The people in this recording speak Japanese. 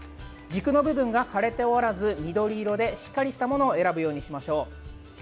軸の部分が枯れておらず緑色でしっかりしたものを選ぶようにしましょう。